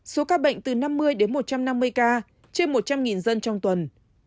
số ca bệnh từ năm mươi đến một trăm năm mươi ca trên một trăm linh dân trong tuần